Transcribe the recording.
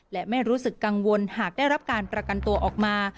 และไม่รู้สึกกังวลหากได้รับการประกันตัวออกมา